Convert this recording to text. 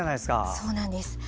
そうなんです。